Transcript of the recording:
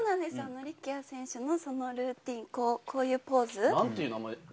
力也選手のルーティン、こういうポーズ。